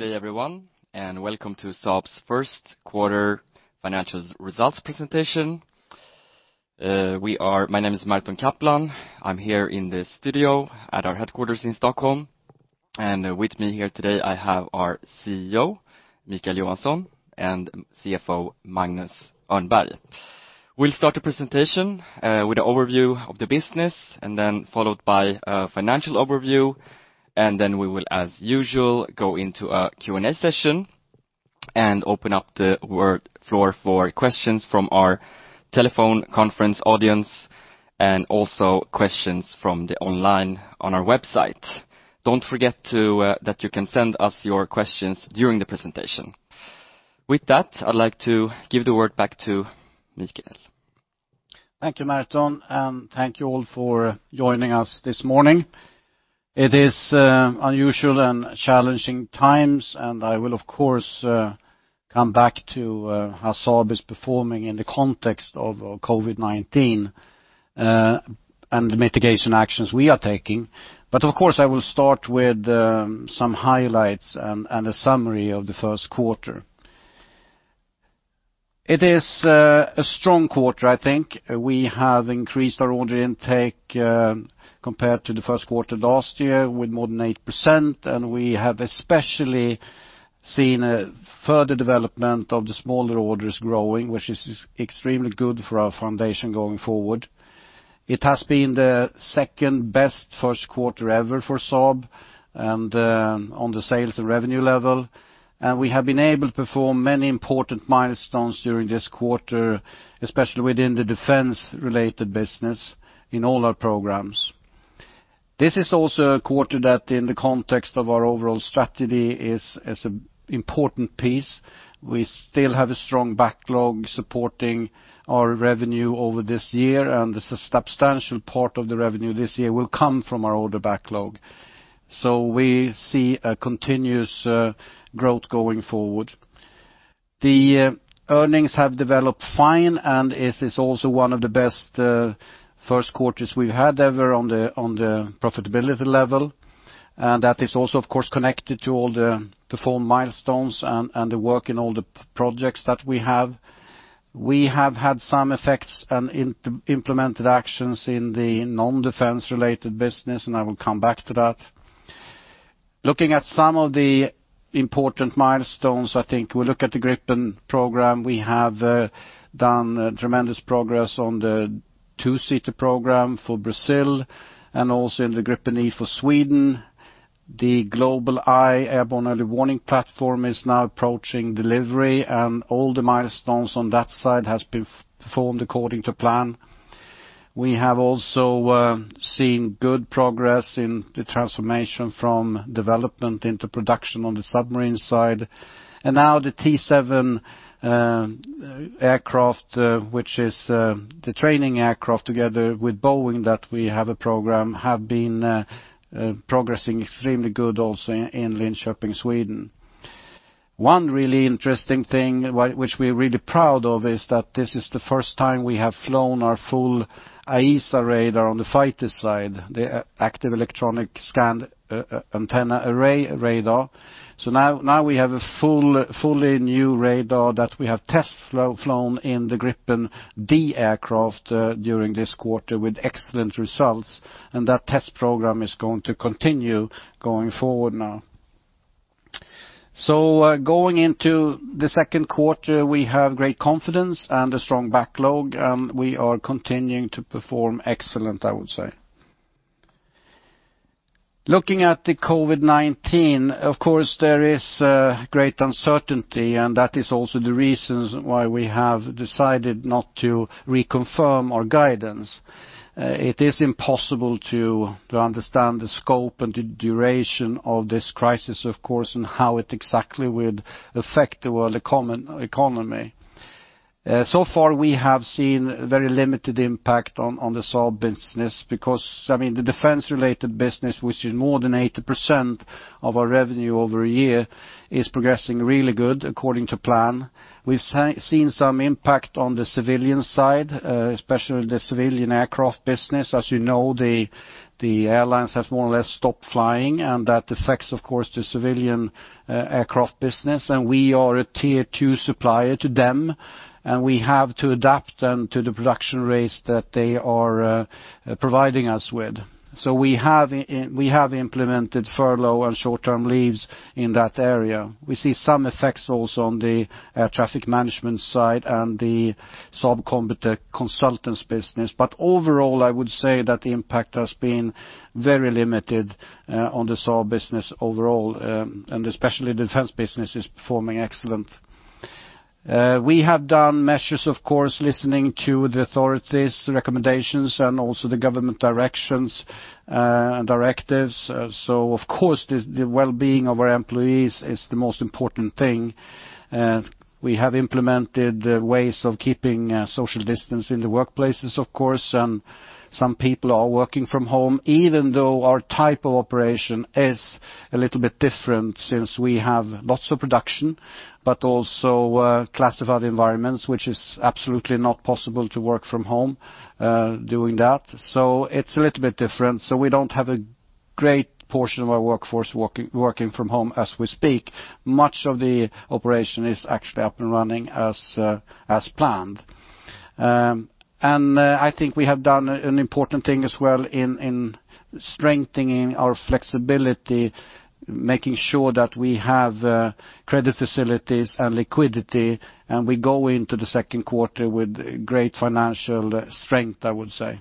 Good day everyone, welcome to Saab's first quarter financial results presentation. My name is Merton Kaplan. I'm here in the studio at our headquarters in Stockholm. With me here today, I have our CEO, Micael Johansson, and CFO, Magnus Örnberg. We'll start the presentation with an overview of the business, then followed by a financial overview, then we will, as usual, go into a Q&A session and open up the floor for questions from our telephone conference audience, also questions from the online on our website. Don't forget that you can send us your questions during the presentation. That, I'd like to give the word back to Micael. Thank you, Merton, and thank you all for joining us this morning. It is unusual and challenging times, I will, of course, come back to how Saab is performing in the context of COVID-19, and the mitigation actions we are taking. Of course, I will start with some highlights and a summary of the first quarter. It is a strong quarter, I think. We have increased our order intake compared to the first quarter last year with more than eight percent, and we have especially seen a further development of the smaller orders growing, which is extremely good for our foundation going forward. It has been the second-best first quarter ever for Saab and on the sales and revenue level. We have been able to perform many important milestones during this quarter, especially within the defense-related business in all our programs. This is also a quarter that, in the context of our overall strategy, is an important piece. We still have a strong backlog supporting our revenue over this year. The substantial part of the revenue this year will come from our order backlog. We see a continuous growth going forward. The earnings have developed fine and is also one of the best first quarters we've had ever on the profitability level. That is also, of course, connected to all the performed milestones and the work in all the projects that we have. We have had some effects and implemented actions in the non-defense related business. I will come back to that. Looking at some of the important milestones, I think we look at the Gripen program. We have done tremendous progress on the two-seater program for Brazil and also in the Gripen E for Sweden. The GlobalEye airborne early warning platform is now approaching delivery, all the milestones on that side has been performed according to plan. We have also seen good progress in the transformation from development into production on the submarine side. Now the T-7 aircraft, which is the training aircraft together with Boeing that we have a program, have been progressing extremely good also in Linköping, Sweden. One really interesting thing, which we're really proud of, is that this is the first time we have flown our full AESA radar on the fighter side, the active electronic scanned antenna array radar. Now we have a fully new radar that we have test flown in the Gripen D aircraft during this quarter with excellent results, that test program is going to continue going forward now. Going into the second quarter, we have great confidence and a strong backlog, and we are continuing to perform excellent, I would say. Looking at the COVID-19, of course, there is great uncertainty, and that is also the reasons why we have decided not to reconfirm our guidance. It is impossible to understand the scope and the duration of this crisis, of course, and how it exactly would affect the world economy. Far, we have seen very limited impact on the Saab business because, I mean, the defense-related business, which is more than 80% of our revenue over a year, is progressing really good according to plan. We've seen some impact on the civilian side, especially the civilian aircraft business. As you know, the airlines have more or less stopped flying, that affects, of course, the civilian aircraft business. We are a tier 2 supplier to them, and we have to adapt them to the production rates that they are providing us with. We have implemented furlough and short-term leaves in that area. We see some effects also on the traffic management side and the Saab Consulting business. Overall, I would say that the impact has been very limited on the Saab business overall, and especially the defense business is performing excellent. We have done measures, of course, listening to the authorities' recommendations and also the government directions, directives. Of course, the well-being of our employees is the most important thing. We have implemented ways of keeping social distance in the workplaces, of course, and some people are working from home, even though our type of operation is a little bit different since we have lots of production, but also classified environments, which is absolutely not possible to work from home doing that. It's a little bit different. We don't have a great portion of our workforce working from home as we speak. Much of the operation is actually up and running as planned. I think we have done an important thing as well in strengthening our flexibility, making sure that we have credit facilities and liquidity, and we go into the second quarter with great financial strength, I would say.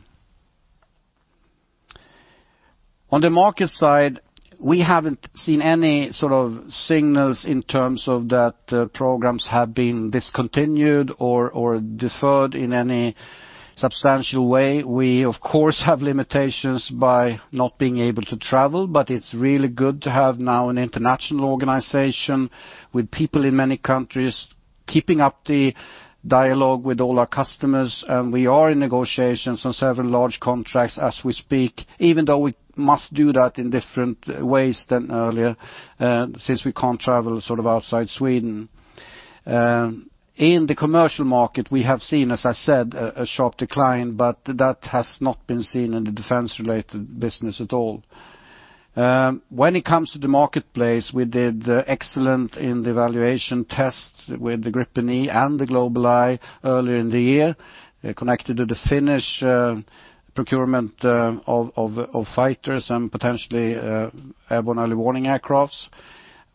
On the market side, we haven't seen any sort of signals in terms of that programs have been discontinued or deferred in any substantial way. We, of course, have limitations by not being able to travel, but it's really good to have now an international organization with people in many countries keeping up the dialogue with all our customers, and we are in negotiations on several large contracts as we speak, even though we must do that in different ways than earlier, since we can't travel outside Sweden. In the commercial market, we have seen, as I said, a sharp decline, but that has not been seen in the defense-related business at all. When it comes to the marketplace, we did excellent in the evaluation test with the Gripen E and the GlobalEye earlier in the year, connected to the Finnish procurement of fighters and potentially airborne early warning aircraft.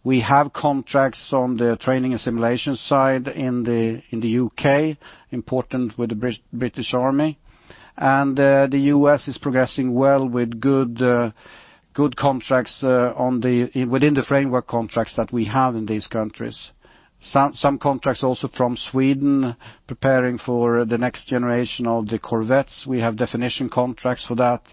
We have contracts on the training and simulation side in the U.K., important with the British Army. The U.S. is progressing well with good contracts within the framework contracts that we have in these countries. Some contracts also from Sweden preparing for the next generation of the corvettes. We have definition contracts for that.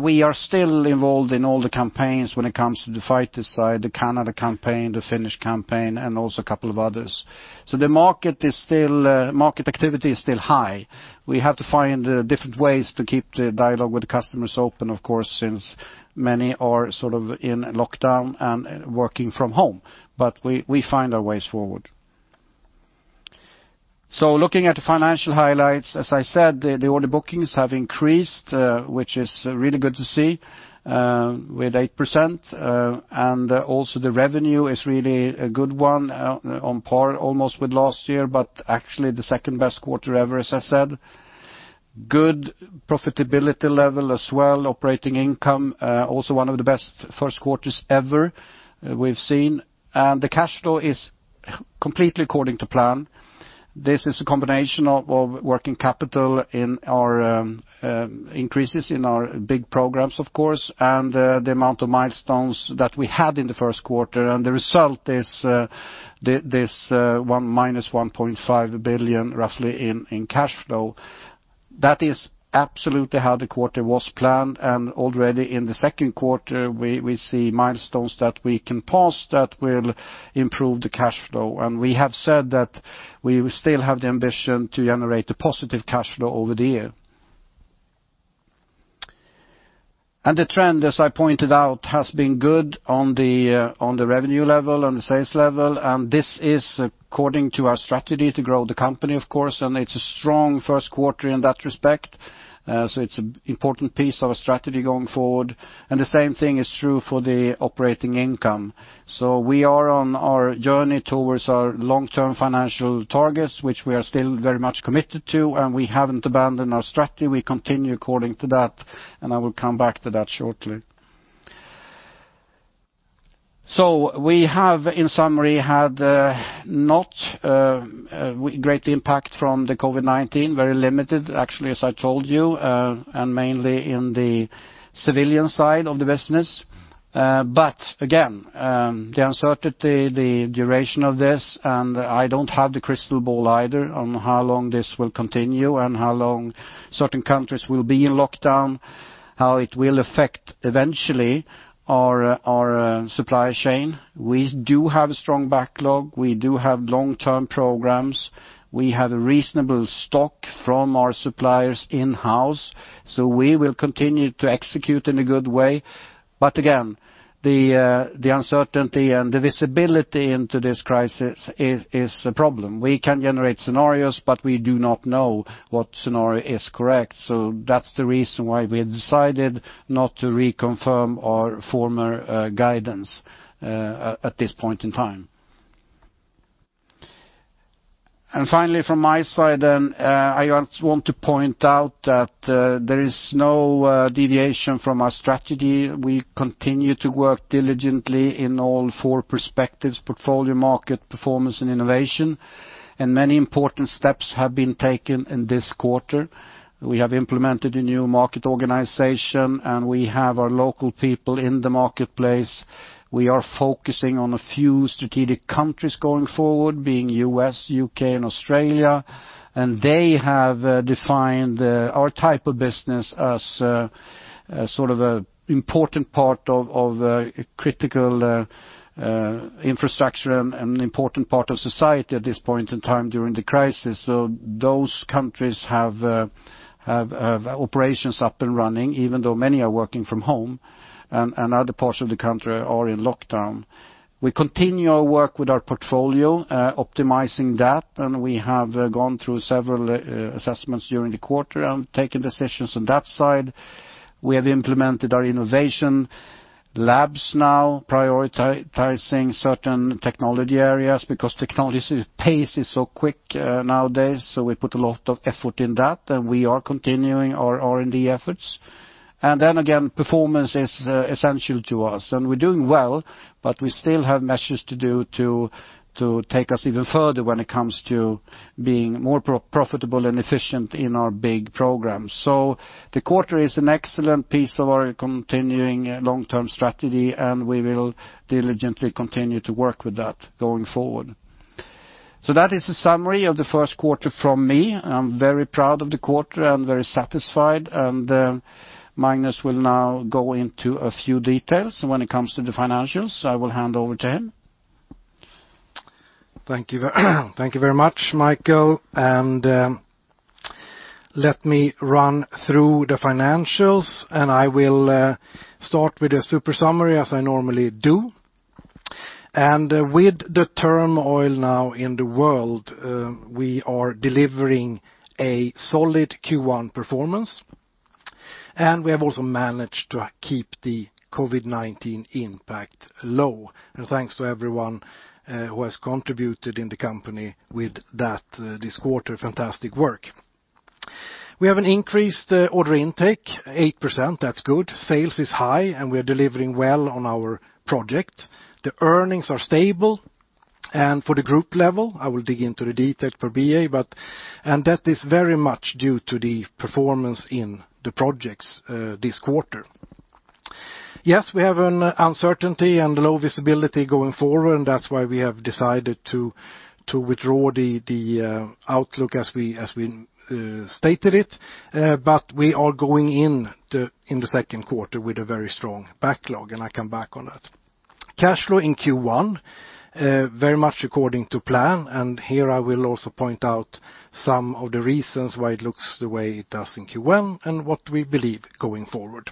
We are still involved in all the campaigns when it comes to the fighter side, the Canada campaign, the Finnish campaign, and also a couple of others. The market activity is still high. We have to find different ways to keep the dialogue with the customers open, of course, since many are in lockdown and working from home. We find our ways forward. Looking at the financial highlights, as I said, the order bookings have increased, which is really good to see, with eight percent. Also, the revenue is really a good one, on par almost with last year, but actually the second-best quarter ever, as I said. Good profitability level as well. Operating income, also one of the best first quarters ever we've seen. The cash flow is completely according to plan. This is a combination of working capital increases in our big programs, of course, and the amount of milestones that we had in the first quarter. The result is this minus 1.5 billion, roughly, in cash flow. That is absolutely how the quarter was planned. Already in the second quarter, we see milestones that we can pass that will improve the cash flow. We have said that we still have the ambition to generate a positive cash flow over the year. The trend, as I pointed out, has been good on the revenue level, on the sales level, and this is according to our strategy to grow the company, of course, and it's a strong first quarter in that respect. It's an important piece of our strategy going forward. The same thing is true for the operating income. We are on our journey towards our long-term financial targets, which we are still very much committed to, and we haven't abandoned our strategy. We continue according to that, and I will come back to that shortly. We have, in summary, had not great impact from the COVID-19. Very limited, actually, as I told you, and mainly in the civilian side of the business. Again, the uncertainty, the duration of this, and I don't have the crystal ball either on how long this will continue and how long certain countries will be in lockdown, how it will affect, eventually, our supply chain. We do have a strong backlog. We do have long-term programs. We have reasonable stock from our suppliers in-house, so we will continue to execute in a good way. Again, the uncertainty and the visibility into this crisis is a problem. We can generate scenarios, but we do not know what scenario is correct, so that's the reason why we have decided not to reconfirm our former guidance at this point in time. Finally, from my side, I want to point out that there is no deviation from our strategy. We continue to work diligently in all four perspectives, portfolio, market, performance, and innovation. Many important steps have been taken in this quarter. We have implemented a new market organization, and we have our local people in the marketplace. We are focusing on a few strategic countries going forward, being U.S., U.K., and Australia. They have defined our type of business as sort of an important part of critical infrastructure and an important part of society at this point in time during the crisis. Those countries have operations up and running, even though many are working from home and other parts of the country are in lockdown. We continue our work with our portfolio, optimizing that, and we have gone through several assessments during the quarter and taken decisions on that side. We have implemented our innovation labs now, prioritizing certain technology areas because technology pace is so quick nowadays, so we put a lot of effort in that, and we are continuing our R&D efforts. Performance is essential to us, and we're doing well, but we still have measures to do to take us even further when it comes to being more profitable and efficient in our big programs. The quarter is an excellent piece of our continuing long-term strategy, and we will diligently continue to work with that going forward. That is a summary of the first quarter from me. I'm very proud of the quarter. I'm very satisfied, and Magnus will now go into a few details when it comes to the financials. I will hand over to him. Thank you very much, Micael. Let me run through the financials. I will start with a super summary as I normally do. With the turmoil now in the world, we are delivering a solid Q1 performance. We have also managed to keep the COVID-19 impact low. Thanks to everyone who has contributed in the company with that this quarter, fantastic work. We have an increased order intake, eight percent. That's good. Sales is high. We are delivering well on our project. The earnings are stable. For the group level, I will dig into the detail for BA. That is very much due to the performance in the projects this quarter. Yes, we have an uncertainty and low visibility going forward. That's why we have decided to withdraw the outlook as we stated it. We are going in the second quarter with a very strong backlog, and I come back on that. Cash flow in Q1, very much according to plan. Here I will also point out some of the reasons why it looks the way it does in Q1 and what we believe going forward.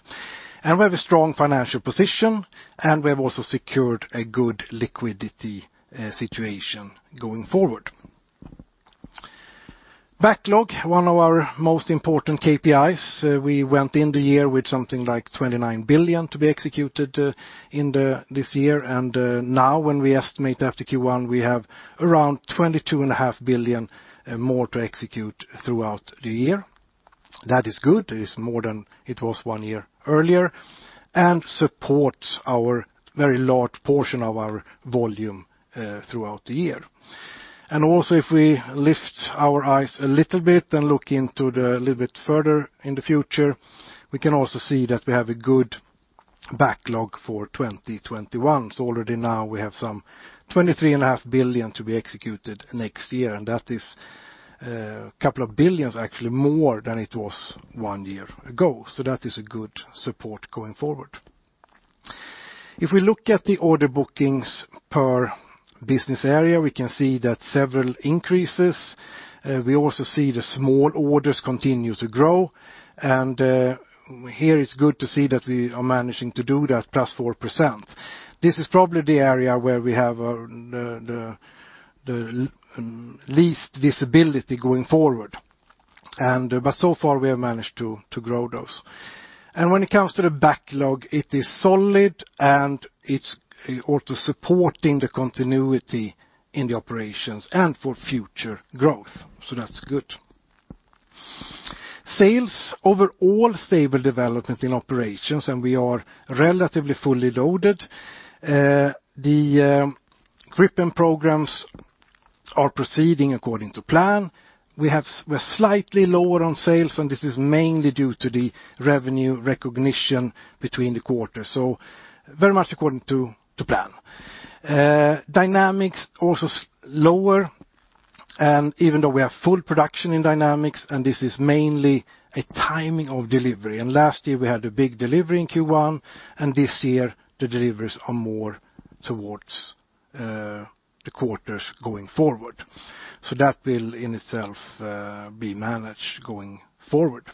We have a strong financial position, and we have also secured a good liquidity situation going forward. Backlog, one of our most important KPIs. We went in the year with something like 29 billion to be executed in this year. Now when we estimate after Q1, we have around 22.5 billion more to execute throughout the year. That is good. It is more than it was one year earlier and supports our very large portion of our volume throughout the year. Also if we lift our eyes a little bit and look a little bit further in the future, we can also see that we have a good backlog for 2021. Already now we have some 23.5 billion to be executed next year, and that is a couple of billions actually more than it was one year ago. That is a good support going forward. If we look at the order bookings per business area, we can see that several increases. We also see the small orders continue to grow, and here it's good to see that we are managing to do that, plus four percent. This is probably the area where we have the least visibility going forward. So far we have managed to grow those. When it comes to the backlog, it is solid, and it's also supporting the continuity in the operations and for future growth. That's good. Sales, overall stable development in operations, and we are relatively fully loaded. The Gripen programs are proceeding according to plan. We're slightly lower on sales, and this is mainly due to the revenue recognition between the quarters. Very much according to plan. Dynamics, also lower, and even though we have full production in Dynamics, and this is mainly a timing of delivery. Last year we had a big delivery in Q1, and this year the deliveries are more towards the quarters going forward. That will in itself be managed going forward.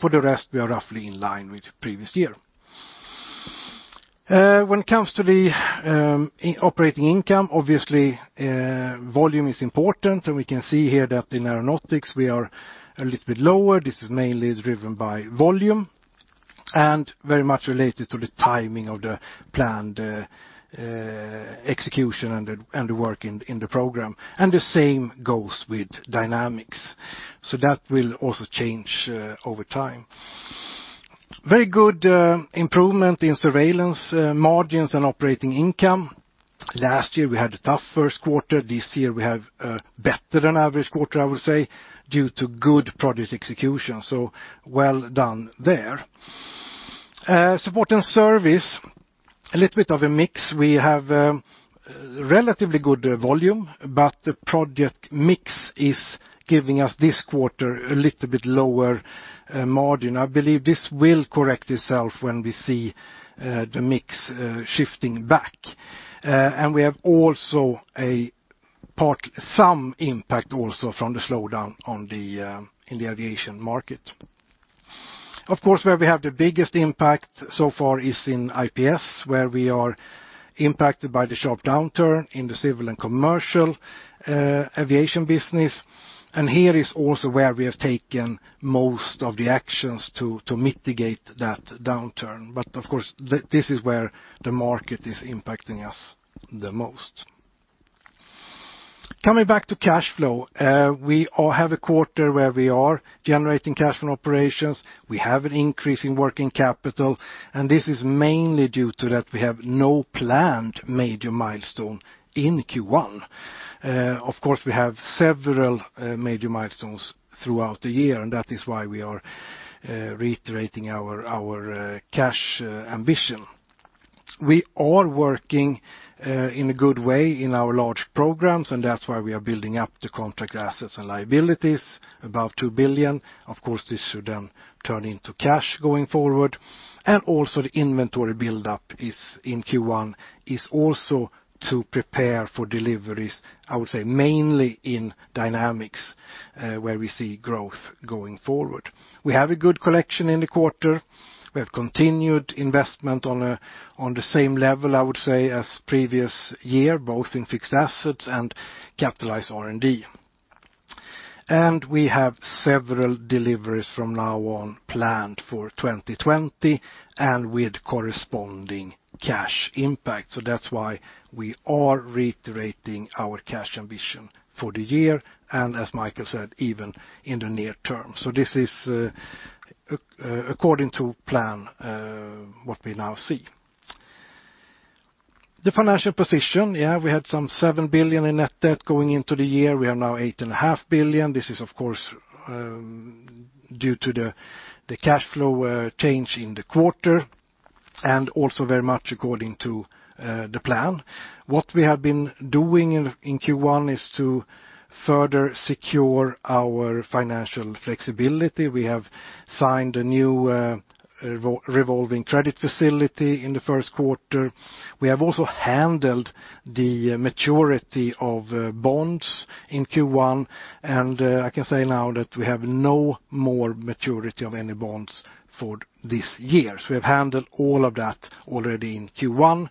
For the rest, we are roughly in line with previous year. When it comes to the operating income, obviously, volume is important, and we can see here that in Aeronautics we are a little bit lower. This is mainly driven by volume and very much related to the timing of the planned execution and the work in the program. The same goes with Dynamics. That will also change over time. Very good improvement in Surveillance margins and operating income. Last year we had a tough first quarter. This year we have better than average quarter, I would say, due to good project execution. Well done there. Support and service, a little bit of a mix. We have relatively good volume, but the project mix is giving us this quarter a little bit lower margin. I believe this will correct itself when we see the mix shifting back. We have also some impact also from the slowdown in the aviation market. Where we have the biggest impact so far is in IPS, where we are impacted by the sharp downturn in the civil and commercial aviation business. Here is also where we have taken most of the actions to mitigate that downturn. This is where the market is impacting us the most. Coming back to cash flow. We all have a quarter where we are generating cash from operations, we have an increase in working capital, and this is mainly due to that we have no planned major milestone in Q1. We have several major milestones throughout the year, and that is why we are reiterating our cash ambition. We are working in a good way in our large programs. That's why we are building up the contract assets and liabilities, above 2 billion. Of course, this should then turn into cash going forward. Also the inventory buildup in Q1 is also to prepare for deliveries, I would say, mainly in Dynamics, where we see growth going forward. We have a good collection in the quarter. We have continued investment on the same level, I would say, as previous year, both in fixed assets and capitalized R&D. We have several deliveries from now on planned for 2020 and with corresponding cash impact. That's why we are reiterating our cash ambition for the year and, as Micael said, even in the near term. This is according to plan, what we now see. The financial position. We had some 7 billion in net debt going into the year. We have now 8.5 billion. This is, of course, due to the cash flow change in the quarter, and also very much according to the plan. What we have been doing in Q1 is to further secure our financial flexibility. We have signed a new revolving credit facility in the first quarter. We have also handled the maturity of bonds in Q1, and I can say now that we have no more maturity of any bonds for this year. We have handled all of that already in Q1,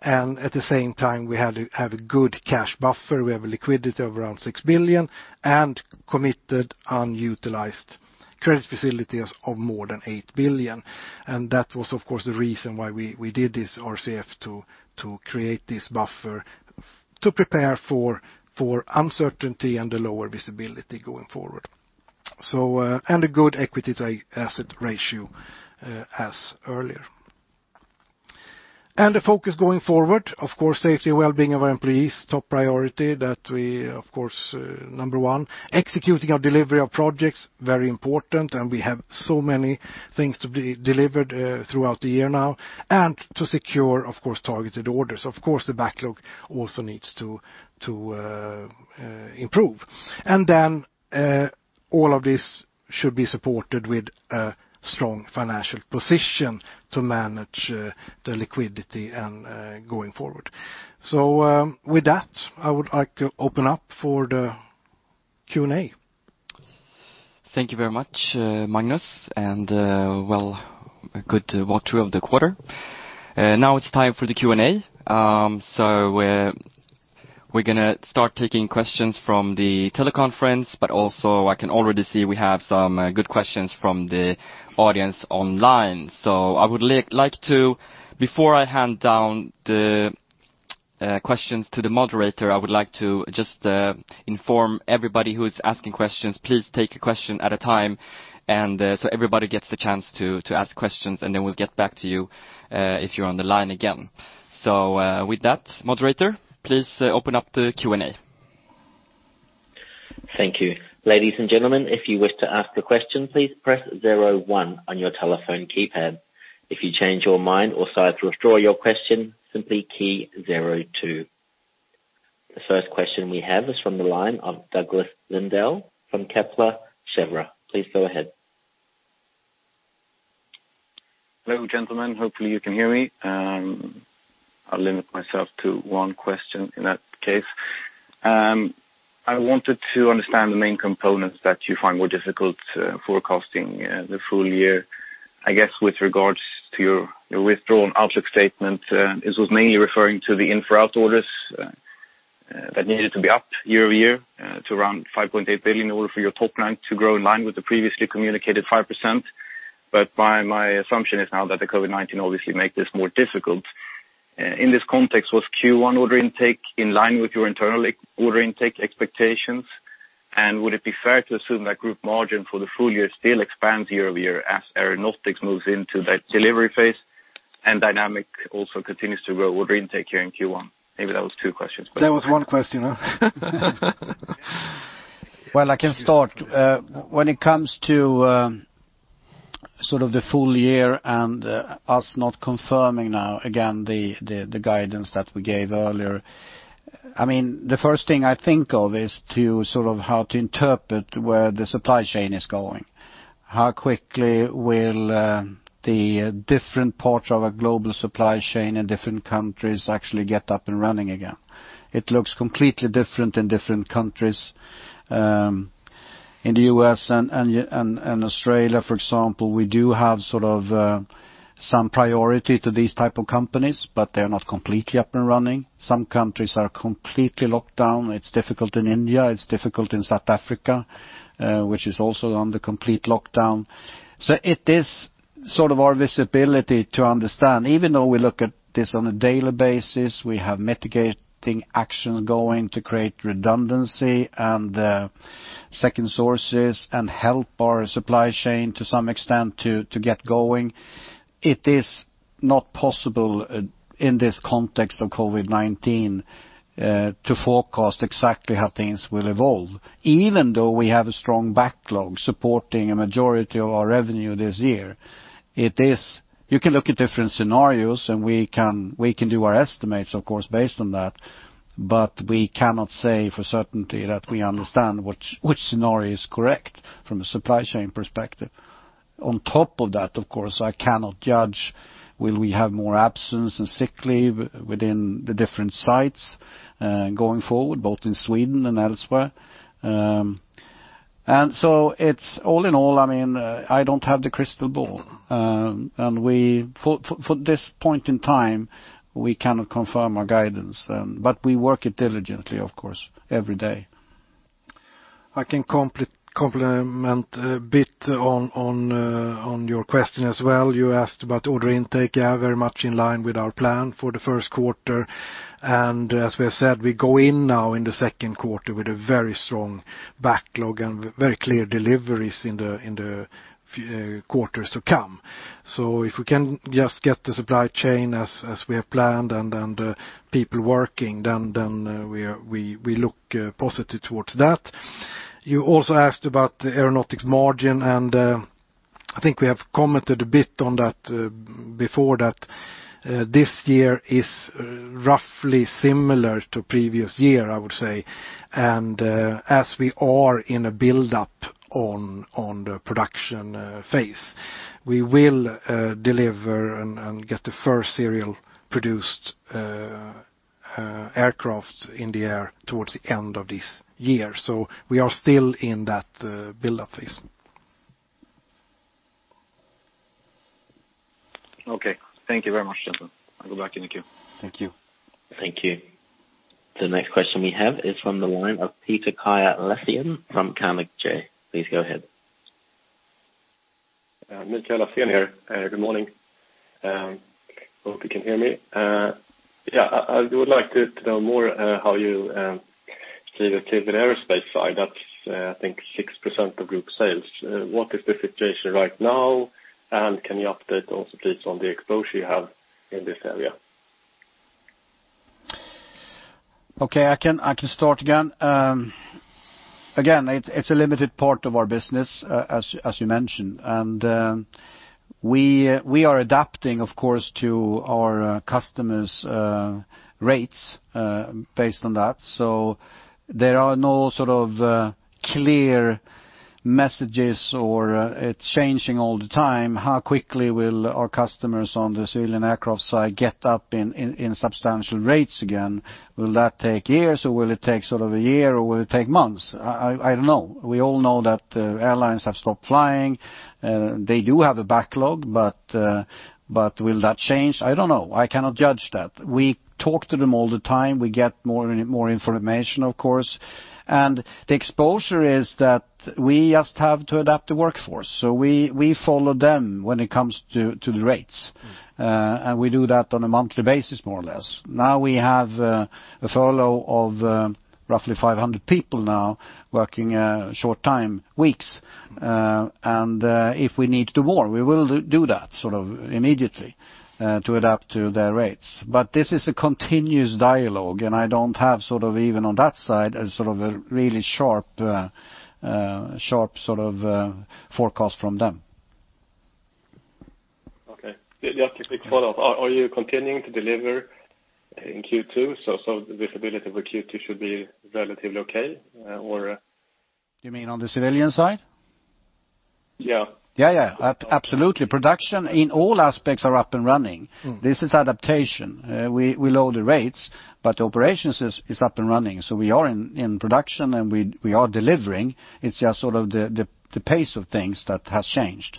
and at the same time, we have a good cash buffer. We have a liquidity of around 6 billion and committed unutilized credit facilities of more than 8 billion. That was, of course, the reason why we did this RCF to create this buffer to prepare for uncertainty and the lower visibility going forward. A good equity to asset ratio, as earlier. The focus going forward, of course, safety and wellbeing of our employees, top priority. That we, of course, number one. Executing our delivery of projects, very important, and we have so many things to be delivered throughout the year now. To secure, of course, targeted orders. Of course, the backlog also needs to improve. All of this should be supported with a strong financial position to manage the liquidity going forward. With that, I would like to open up for the Q&A. Thank you very much, Magnus, and a good walkthrough of the quarter. Now it's time for the Q&A. We're going to start taking questions from the teleconference, but also I can already see we have some good questions from the audience online. Before I hand down the questions to the moderator, I would like to just inform everybody who's asking questions, please take a question at a time so everybody gets the chance to ask questions, and then we'll get back to you if you're on the line again. With that, moderator, please open up the Q&A. Thank you. Ladies and gentlemen, if you wish to ask a question, please press zero one on your telephone keypad. If you change your mind or decide to withdraw your question, simply key zero two. The first question we have is from the line of Douglas Lindahl from Kepler Cheuvreux. Please go ahead. Hello, gentlemen. Hopefully, you can hear me. I'll limit myself to one question in that case. I wanted to understand the main components that you find more difficult forecasting the full year. I guess with regards to your withdrawn outlook statement, this was mainly referring to the infra orders that needed to be up year-over-year to around 5.8 billion in order for your top line to grow in line with the previously communicated five percent. My assumption is now that the COVID-19 obviously make this more difficult. In this context, was Q1 order intake in line with your internal order intake expectations? Would it be fair to assume that group margin for the full year still expands year-over-year as Aeronautics moves into that delivery phase and Dynamics also continues to grow order intake here in Q1? Maybe that was two questions. That was one question. Well, I can start. When it comes to the full year and us not confirming now, again, the guidance that we gave earlier. The first thing I think of is how to interpret where the supply chain is going. How quickly will the different parts of a global supply chain in different countries actually get up and running again? It looks completely different in different countries. In the U.S. and Australia, for example, we do have some priority to these type of companies, but they're not completely up and running. Some countries are completely locked down. It's difficult in India, it's difficult in South Africa, which is also under complete lockdown. It is our visibility to understand, even though we look at this on a daily basis, we have mitigating action going to create redundancy and second sources and help our supply chain, to some extent, to get going. It is not possible in this context of COVID-19, to forecast exactly how things will evolve, even though we have a strong backlog supporting a majority of our revenue this year. You can look at different scenarios, and we can do our estimates, of course, based on that, but we cannot say for certainty that we understand which scenario is correct from a supply chain perspective. On top of that, of course, I cannot judge will we have more absence and sick leave within the different sites, going forward, both in Sweden and elsewhere. All in all, I don't have the crystal ball. For this point in time, we cannot confirm our guidance. We work it diligently, of course, every day. I can complement a bit on your question as well. You asked about order intake, very much in line with our plan for the first quarter. As we have said, we go in now in the second quarter with a very strong backlog and very clear deliveries in the quarters to come. If we can just get the supply chain as we have planned and the people working, then we look positive towards that. You also asked about the Aeronautics margin, I think we have commented a bit on that before, that this year is roughly similar to previous year, I would say. As we are in a buildup on the production phase, we will deliver and get the first serial-produced aircraft in the air towards the end of this year. We are still in that buildup phase. Okay. Thank you very much, gentlemen. I go back in the queue. Thank you. The next question we have is from the line of Mikael Laséen from Carnegie. Please go ahead. Mikael Laséen here. Good morning. Hope you can hear me. Yeah, I would like to know more how you see the civilian aerospace side, that's, I think, six percent of group sales. What is the situation right now? Can you update also, please, on the exposure you have in this area? Okay. I can start again. Again, it's a limited part of our business, as you mentioned. We are adapting, of course, to our customers' rates, based on that. There are no clear messages or it's changing all the time. How quickly will our customers on the civilian aircraft side get up in substantial rates again? Will that take years, or will it take a year, or will it take months? I don't know. We all know that airlines have stopped flying. They do have a backlog, but will that change? I don't know. I cannot judge that. We talk to them all the time. We get more information, of course. The exposure is that we just have to adapt the workforce. We follow them when it comes to the rates. We do that on a monthly basis, more or less. We have a follow of roughly 500 people now working short time, weeks. If we need to do more, we will do that immediately, to adapt to their rates. This is a continuous dialogue, and I don't have even on that side, a really sharp forecast from them. Okay. Just a quick follow-up. Are you continuing to deliver in Q2? The visibility for Q2 should be relatively okay? You mean on the civilian side? Yeah. Yeah. Absolutely. Production in all aspects are up and running. This is adaptation. We lower the rates, but operations is up and running. We are in production, and we are delivering. It's just the pace of things that has changed.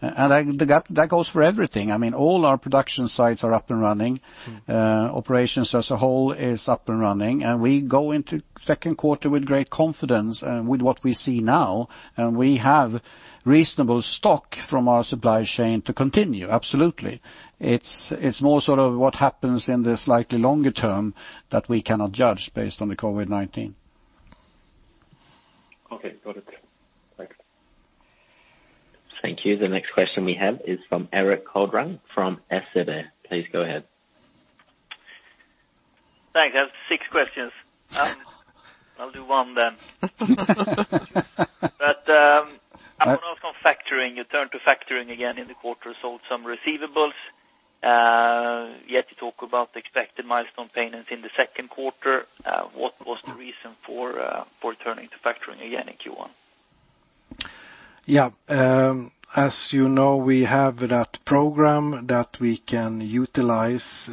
That goes for everything. All our production sites are up and running. Operations as a whole is up and running, and we go into second quarter with great confidence and with what we see now, and we have reasonable stock from our supply chain to continue. Absolutely. It's more what happens in the slightly longer term that we cannot judge based on the COVID-19. Okay. Got it. Thanks. Thank you. The next question we have is from Erik Golrang from SEB. Please go ahead. Thanks. I have six questions. I'll do one then. I want to ask on factoring, you turned to factoring again in the quarter, sold some receivables. Yet you talk about the expected milestone payments in the second quarter. What was the reason for turning to factoring again in Q1? Yeah. As you know, we have that program that we can utilize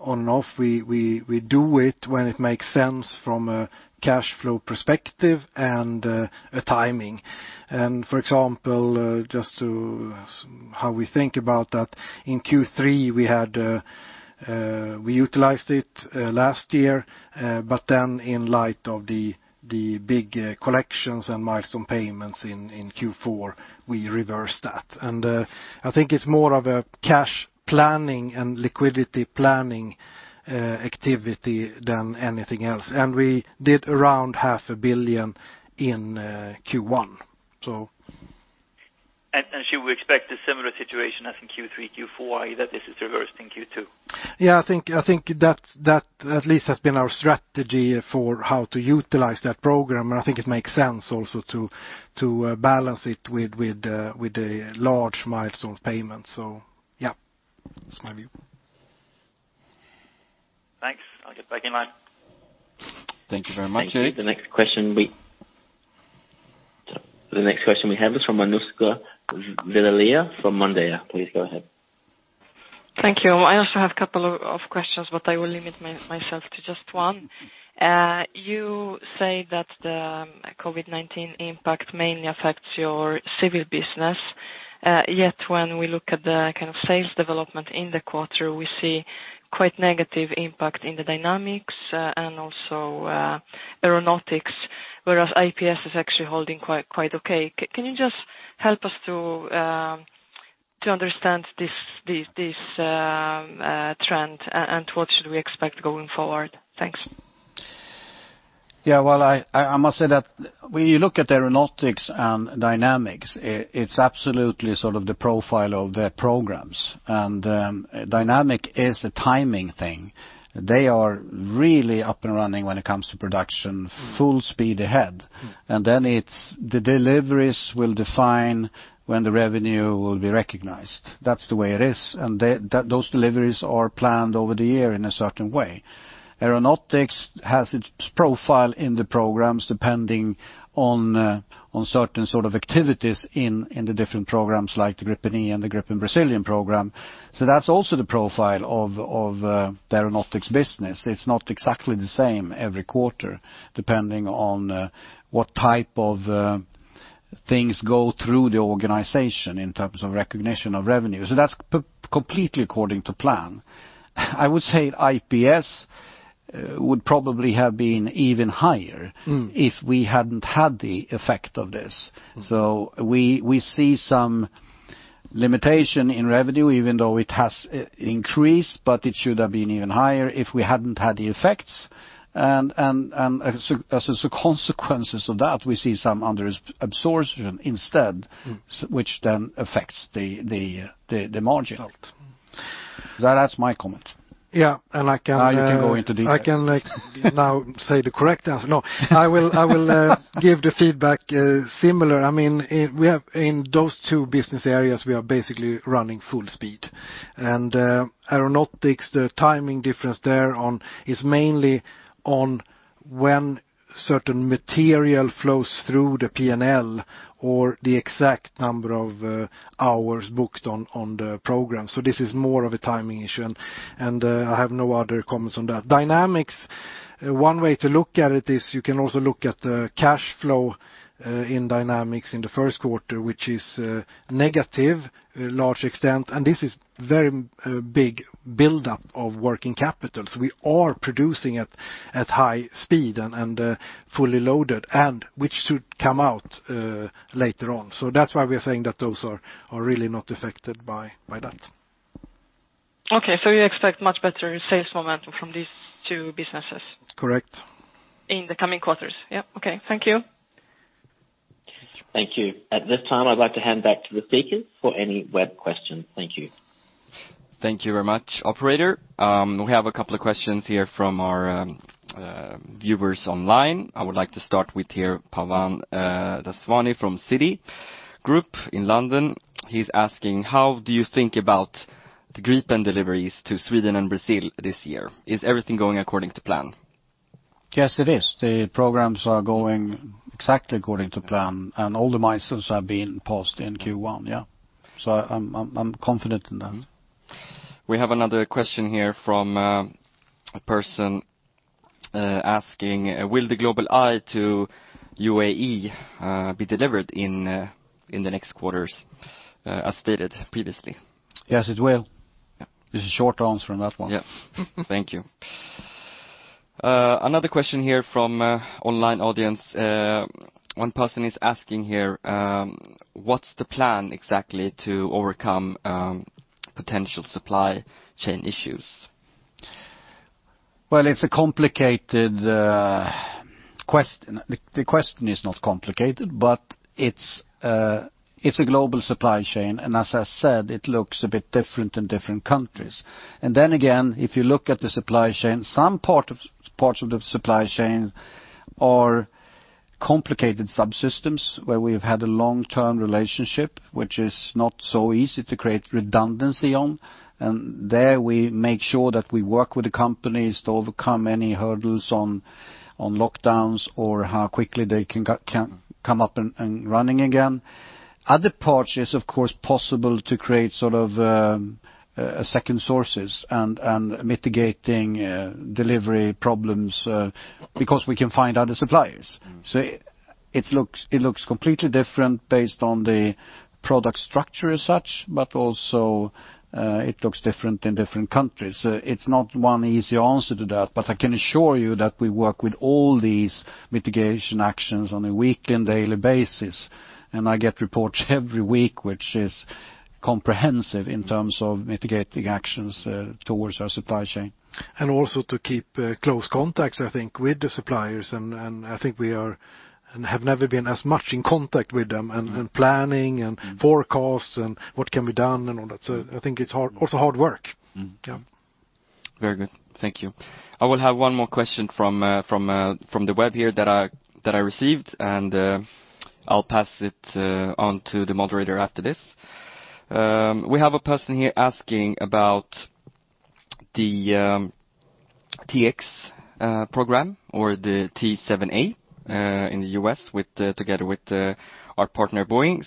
on/off. We do it when it makes sense from a cash flow perspective and a timing. For example, just to how we think about that, in Q3, we utilized it last year, in light of the big collections and milestone payments in Q4, we reversed that. I think it's more of a cash planning and liquidity planning activity than anything else. We did around SEK half a billion in Q1. Should we expect a similar situation as in Q3, Q4, that this is reversed in Q2? I think that at least has been our strategy for how to utilize that program. I think it makes sense also to balance it with the large milestone payment. That's my view. Thanks. I'll get back in line. Thank you very much. The next question we have is from Manushka Velia from Monday. Please go ahead. Thank you. I also have a couple of questions, but I will limit myself to just one. You say that the COVID-19 impact mainly affects your civil business. Yet when we look at the kind of sales development in the quarter, we see quite negative impact in the Dynamics and also Aeronautics, whereas IPS is actually holding quite okay. Can you just help us to understand this trend and what should we expect going forward? Thanks. Yeah, well, I must say that when you look at Aeronautics and Dynamics, it's absolutely sort of the profile of their programs. Dynamics is a timing thing. They are really up and running when it comes to production, full speed ahead. It's the deliveries will define when the revenue will be recognized. That's the way it is. Those deliveries are planned over the year in a certain way. Aeronautics has its profile in the programs depending on certain sort of activities in the different programs like the Gripen E and the Gripen Brazilian program. That's also the profile of the Aeronautics business. It's not exactly the same every quarter, depending on what type of things go through the organization in terms of recognition of revenue. That's completely according to plan. I would say IPS would probably have been even higher if we hadn't had the effect of this. We see some limitation in revenue, even though it has increased, but it should have been even higher if we hadn't had the effects. As a consequence of that, we see some under absorption instead, which then affects the margin. That's my comment. Yeah, I. You can go into detail. I can now say the correct answer. I will give the feedback similar. In those two business areas, we are basically running full speed. Aeronautics, the timing difference there on is mainly on when certain material flows through the P&L or the exact number of hours booked on the program. This is more of a timing issue, and I have no other comments on that. Dynamics, one way to look at it is you can also look at the cash flow in Dynamics in the first quarter, which is negative large extent. This is very big buildup of working capital. We are producing at high speed and fully loaded, and which should come out later on. That's why we are saying that those are really not affected by that. Okay, you expect much better sales momentum from these two businesses? Correct. In the coming quarters? Yeah. Okay. Thank you. Thank you. At this time, I'd like to hand back to the speaker for any web questions. Thank you. Thank you very much, operator. We have a couple of questions here from our viewers online. I would like to start with Pavan Daswani from Citigroup in London. He's asking, how do you think about the Gripen deliveries to Sweden and Brazil this year? Is everything going according to plan? Yes, it is. The programs are going exactly according to plan, and all the milestones have been passed in Q1. Yeah. I'm confident in that. We have another question here from a person asking, will the GlobalEye to UAE be delivered in the next quarters as stated previously? Yes, it will. It's a short answer on that one. Yeah. Thank you. Another question here from online audience. One person is asking here, what's the plan exactly to overcome potential supply chain issues? Well, it's a complicated question. The question is not complicated, but it's a global supply chain. As I said, it looks a bit different in different countries. If you look at the supply chain, some parts of the supply chain are complicated subsystems where we've had a long-term relationship, which is not so easy to create redundancy on. There we make sure that we work with the companies to overcome any hurdles on. On lockdowns or how quickly they can come up and running again. Other parts, it's, of course, possible to create second sources and mitigating delivery problems because we can find other suppliers. It looks completely different based on the product structure as such, but also, it looks different in different countries. It's not one easy answer to that, but I can assure you that we work with all these mitigation actions on a weekly and daily basis, and I get reports every week, which is comprehensive in terms of mitigating actions towards our supply chain. Also to keep close contacts, I think, with the suppliers, and I think we are and have never been as much in contact with them and planning and forecast and what can be done and all that. I think it's also hard work. Very good. Thank you. I will have one more question from the web here that I received, and I'll pass it on to the moderator after this. We have a person here asking about the T-X program or the T-7A, in the U.S. together with our partner, Boeing.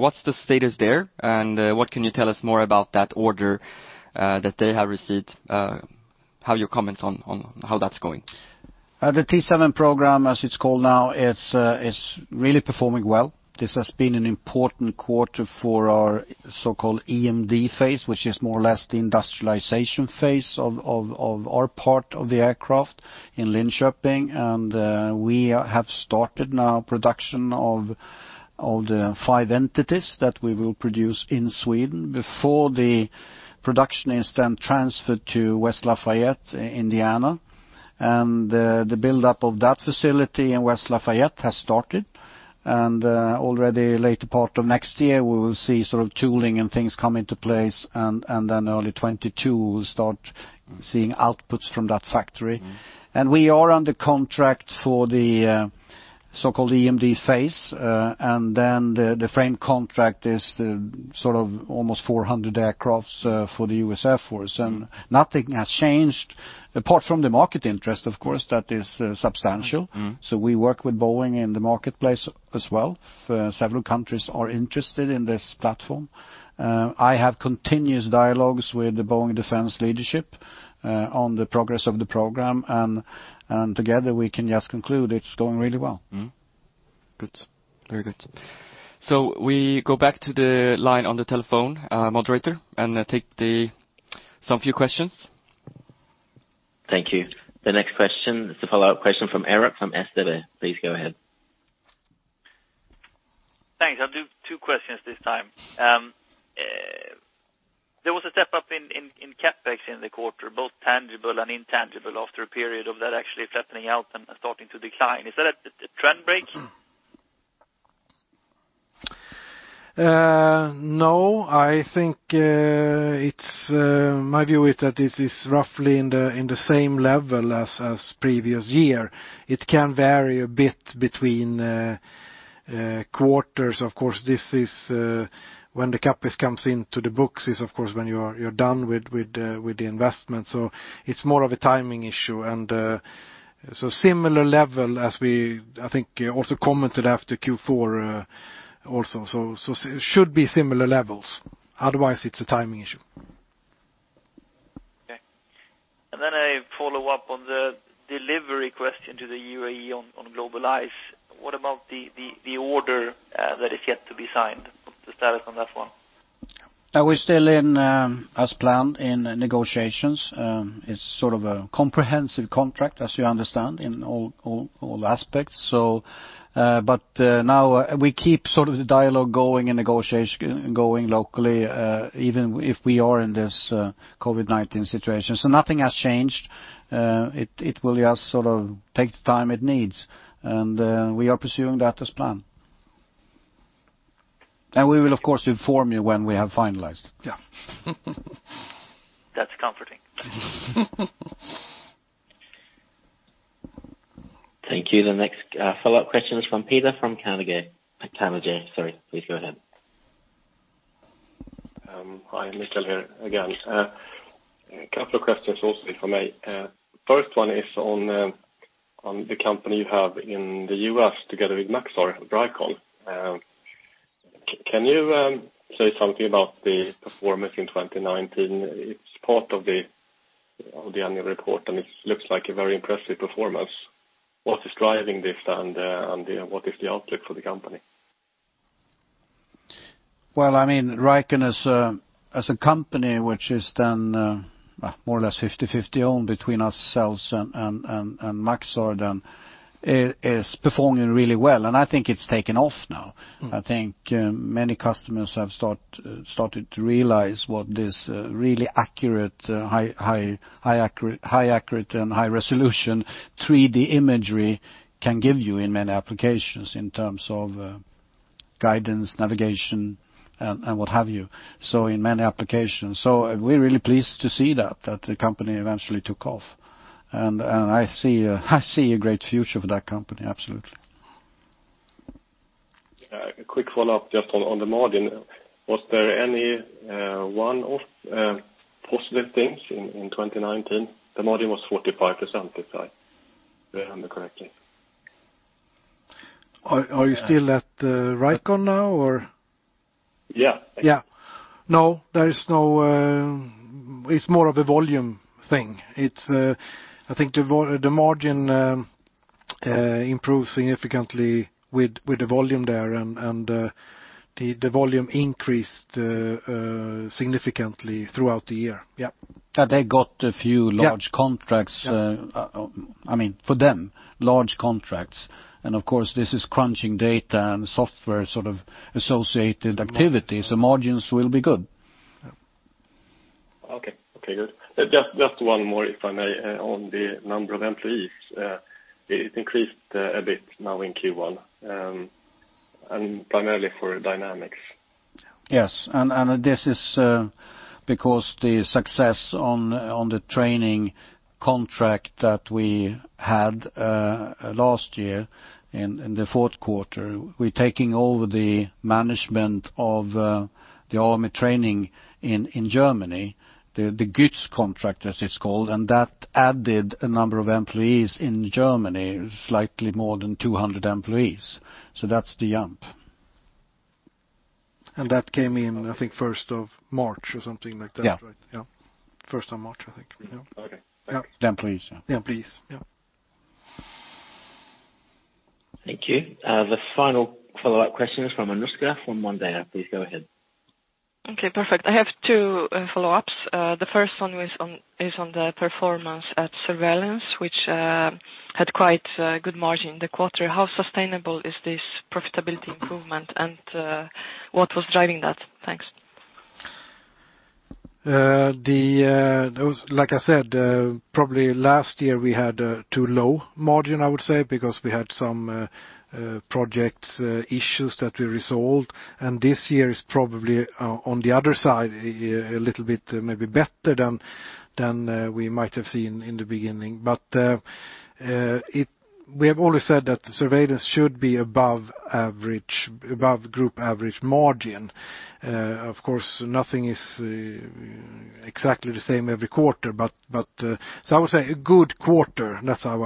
What's the status there, and what can you tell us more about that order that they have received? How you comment on how that's going? The T-7 program, as it's called now, it's really performing well. This has been an important quarter for our so-called EMD phase, which is more or less the industrialization phase of our part of the aircraft in Linköping. We have started now production of the five entities that we will produce in Sweden before the production is then transferred to West Lafayette, Indiana. The buildup of that facility in West Lafayette has started, and already later part of next year, we will see tooling and things come into place, and early 2022, we'll start seeing outputs from that factory. We are under contract for the so-called EMD phase, and then the frame contract is almost 400 aircraft for the U.S. Air Force. Nothing has changed, apart from the market interest, of course, that is substantial. We work with Boeing in the marketplace as well. Several countries are interested in this platform. I have continuous dialogues with the Boeing defense leadership on the progress of the program, and together we can just conclude it's going really well. Mm-hmm. Good. Very good. We go back to the line on the telephone, moderator, and take some few questions. Thank you. The next question is the follow-up question from Erik, from SEB. Please go ahead. Thanks. I'll do two questions this time. There was a step up in CapEx in the quarter, both tangible and intangible, after a period of that actually flattening out and starting to decline. Is that a trend break? No. My view is that this is roughly in the same level as previous year. It can vary a bit between quarters, of course. This is when the CapEx comes into the books is, of course, when you're done with the investment. It's more of a timing issue, and so similar level as we, I think, also commented after Q4 also. It should be similar levels. Otherwise, it's a timing issue. Okay. Then a follow-up on the delivery question to the UAE on GlobalEye. What about the order that is yet to be signed? What's the status on that one? We're still in, as planned, in negotiations. It's a comprehensive contract, as you understand, in all aspects. Now we keep the dialogue going and negotiation going locally, even if we are in this COVID-19 situation. Nothing has changed. It will just take the time it needs, and we are pursuing that as planned. We will, of course, inform you when we have finalized. Yeah. That's comforting. Thank you. The next follow-up question is from Peter from Carnegie. Please go ahead. Hi, Mikael here again. Couple of questions also from me. First one is on the company you have in the U.S. together with Maxar, Vricon. Can you say something about the performance in 2019? It's part of the annual report. It looks like a very impressive performance. What is driving this? What is the outlook for the company? Well, Vricon as a company, which is then more or less 50/50 owned between ourselves and Maxar, then, it is performing really well, and I think it's taken off now. I think many customers have started to realize what this really accurate, high accurate, and high-resolution 3D imagery can give you in many applications in terms of guidance, navigation, and what have you. We're really pleased to see that the company eventually took off. I see a great future for that company, absolutely. A quick follow-up just on the margin. Was there any one of positive things in 2019? The margin was 45%, if I remember correctly. Are you still at Vricon now or? Yeah. Yeah. No, it's more of a volume thing. I think the margin improved significantly with the volume there, and the volume increased significantly throughout the year. Yep. They got a few large contracts. For them, large contracts, and of course, this is crunching data and software associated activities. The margins will be good. Okay. Good. Just one more, if I may, on the number of employees. It increased a bit now in Q1, and primarily for Dynamics. Yes, this is because the success on the training contract that we had last year in the fourth quarter. We're taking over the management of the army training in Germany, the GÜZ contract, as it's called, and that added a number of employees in Germany, slightly more than 200 employees. That's the jump. That came in, I think, first of March or something like that. Yeah. First of March, I think. Okay. Employees. Employees. Yeah. Thank you. The final follow-up question is from Anushka from Monday. Please go ahead. Okay, perfect. I have two follow-ups. The first one is on the performance at Surveillance, which had quite a good margin in the quarter. How sustainable is this profitability improvement, and what was driving that? Thanks. Like I said, probably last year we had too low margin, I would say, because we had some project issues that we resolved, and this year is probably, on the other side, a little bit maybe better than we might have seen in the beginning. We have always said that Surveillance should be above group average margin. Of course, nothing is exactly the same every quarter. I would say a good quarter. That's how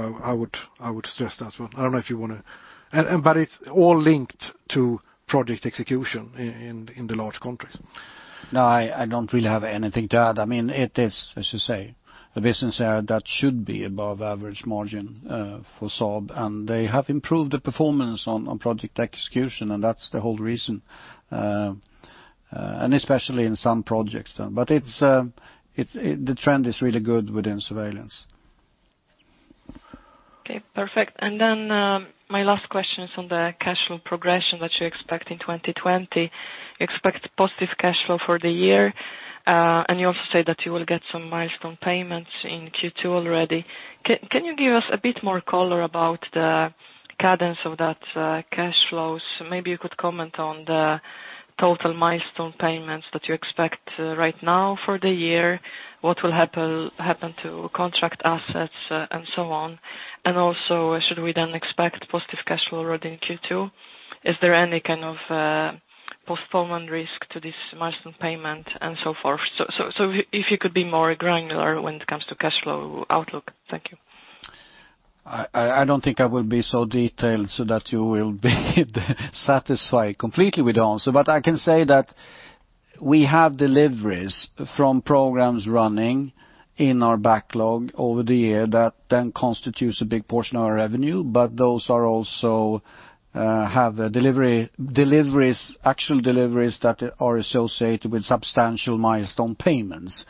I would stress that one. I don't know if you want to, it's all linked to project execution in the large contracts. No, I don't really have anything to add. It is, as you say, a business that should be above average margin for Saab, and they have improved the performance on project execution, and that's the whole reason, and especially in some projects. The trend is really good within Surveillance. Okay, perfect. Then my last question is on the cash flow progression that you expect in 2020. You expect positive cash flow for the year. You also say that you will get some milestone payments in Q2 already. Can you give us a bit more color about the cadence of that cash flows? Maybe you could comment on the total milestone payments that you expect right now for the year, what will happen to contract assets and so on. Also, should we then expect positive cash flow already in Q2? Is there any kind of postponement risk to this milestone payment and so forth? If you could be more granular when it comes to cash flow outlook. Thank you. I don't think I will be so detailed so that you will be satisfied completely with the answer. I can say that we have deliveries from programs running in our backlog over the year that then constitutes a big portion of our revenue, but those also have deliveries, actual deliveries, that are associated with substantial milestone payments.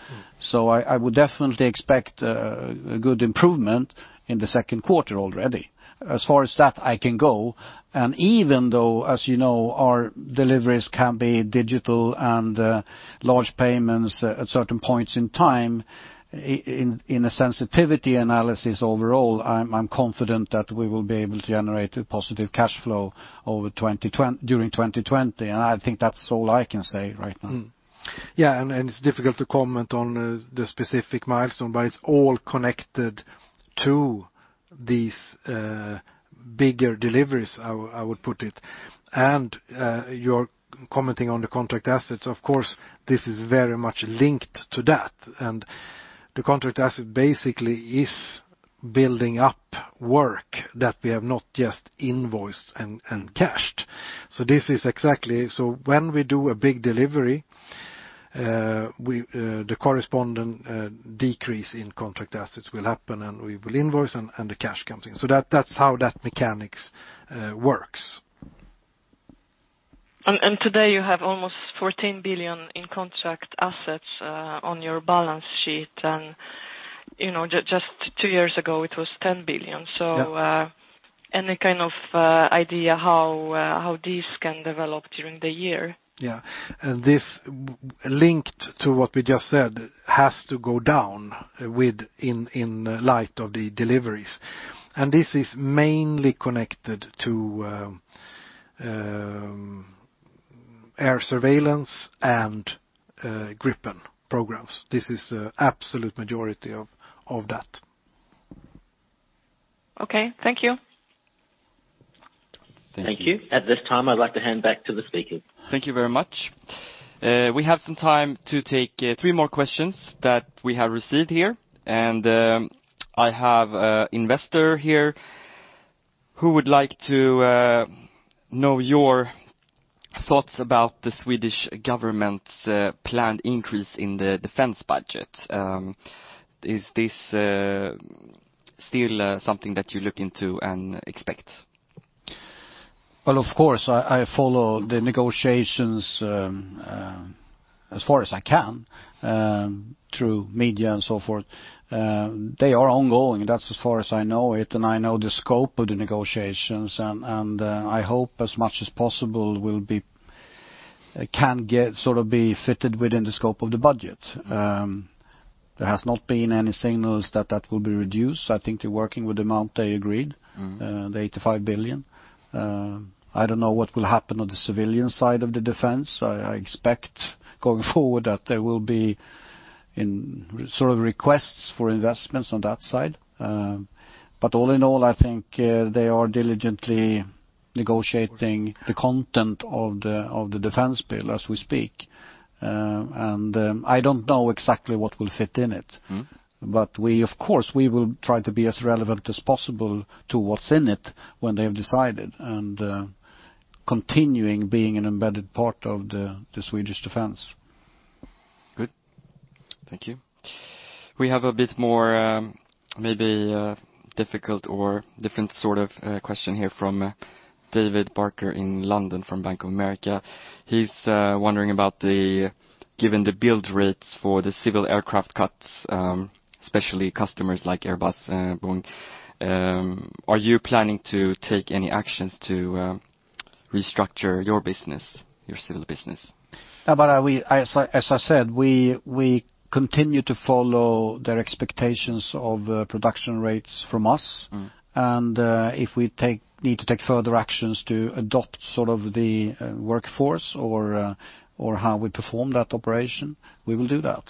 I would definitely expect a good improvement in the second quarter already. As far as that, I can go. Even though, as you know, our deliveries can be digital and large payments at certain points in time, in a sensitivity analysis overall, I'm confident that we will be able to generate a positive cash flow during 2020, and I think that's all I can say right now. Yeah, and it's difficult to comment on the specific milestone, but it's all connected to these bigger deliveries, I would put it. You're commenting on the contract assets. Of course, this is very much linked to that, and the contract asset basically is building up work that we have not just invoiced and cashed. When we do a big delivery, the corresponding decrease in contract assets will happen, and we will invoice, and the cash comes in. That's how that mechanics works. Today you have almost 14 billion in contract assets on your balance sheet, and just two years ago it was 10 billion. Any kind of idea how these can develop during the year? This linked to what we just said, has to go down in light of the deliveries. This is mainly connected to air surveillance and Gripen programs. This is absolute majority of that. Okay, thank you. Thank you. At this time, I'd like to hand back to the speaker. Thank you very much. We have some time to take three more questions that we have received here. I have an investor here who would like to know your thoughts about the Swedish government's planned increase in the defense budget. Is this still something that you look into and expect? Well, of course, I follow the negotiations as far as I can through media and so forth. They are ongoing. That's as far as I know it, and I know the scope of the negotiations, and I hope as much as possible can be fitted within the scope of the budget. There has not been any signals that will be reduced. I think they're working with the amount they agreed. the 85 billion. I don't know what will happen on the civilian side of the defense. I expect, going forward, that there will be requests for investments on that side. All in all, I think they are diligently negotiating the content of the defense bill as we speak. I don't know exactly what will fit in it. We, of course, will try to be as relevant as possible to what's in it when they have decided, and continuing being an embedded part of the Swedish defense. Good. Thank you. We have a bit more, maybe difficult or different sort of question here from David Barker in London from Bank of America. He's wondering about, given the build rates for the civil aircraft cuts, especially customers like Airbus and Boeing, are you planning to take any actions to restructure your civil business? As I said, we continue to follow their expectations of production rates from us. If we need to take further actions to adopt the workforce or how we perform that operation, we will do that.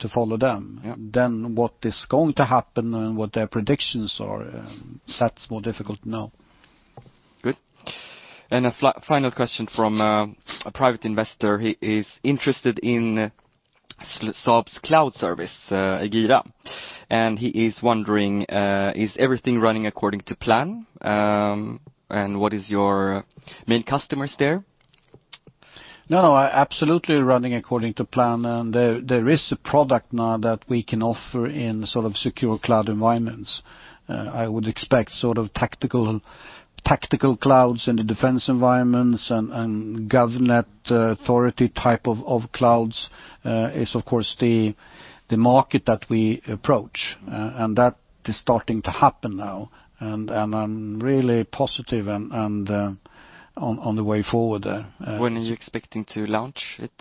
to follow them. Yep. What is going to happen and what their predictions are, that's more difficult to know. Good. A final question from a private investor. He is interested in Saab's cloud service, Egira, and he is wondering, is everything running according to plan? What is your main customers there? No, absolutely running according to plan. There is a product now that we can offer in secure cloud environments. I would expect tactical clouds in the defense environments and govnet authority type of clouds is, of course, the market that we approach. That is starting to happen now, and I'm really positive on the way forward there. When are you expecting to launch it?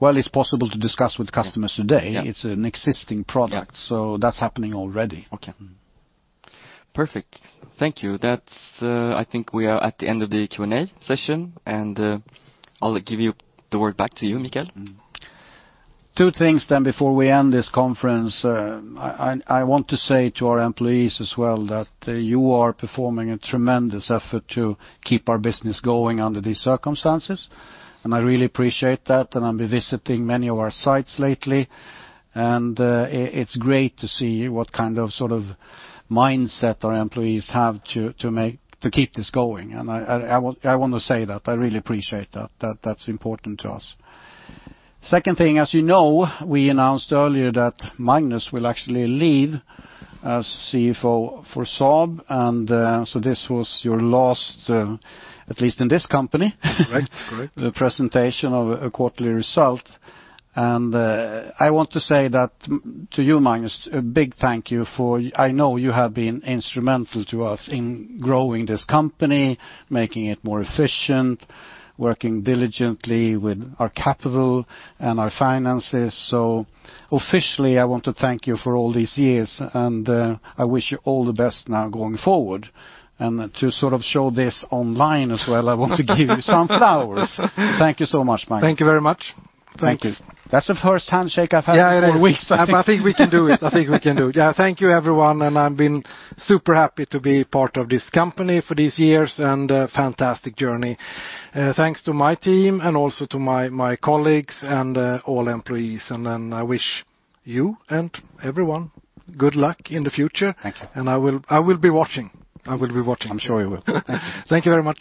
Well, it's possible to discuss with customers today. Yeah. It's an existing product. Yeah. That's happening already. Okay. Perfect. Thank you. I think we are at the end of the Q&A session, and I'll give the word back to you, Mikael. Two things before we end this conference. I want to say to our employees as well that you are performing a tremendous effort to keep our business going under these circumstances. I really appreciate that. I've been visiting many of our sites lately, and it's great to see what kind of mindset our employees have to keep this going. I want to say that I really appreciate that. That's important to us. Second thing, as you know, we announced earlier that Magnus will actually leave as CFO for Saab, this was your last, at least in this company. Correct the presentation of a quarterly result. I want to say that to you, Magnus, a big thank you for, I know you have been instrumental to us in growing this company, making it more efficient, working diligently with our capital and our finances. Officially, I want to thank you for all these years, and I wish you all the best now going forward. To show this online as well, I want to give you some flowers. Thank you so much, Magnus. Thank you very much. Thank you. That's the first handshake I've had in four weeks. I think we can do it. Yeah, thank you, everyone, and I've been super happy to be part of this company for these years, and a fantastic journey. Thanks to my team and also to my colleagues and all employees. I wish you and everyone good luck in the future. Thank you. I will be watching. I'm sure you will. Thank you very much.